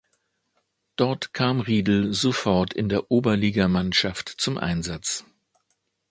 Dort kam Riedel sofort in der Oberligamannschaft zum Einsatz.